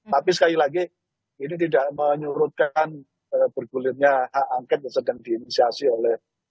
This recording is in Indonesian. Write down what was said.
tapi sekali lagi ini tidak menyurutkan bergulirnya hak angket yang sedang diinisiasi oleh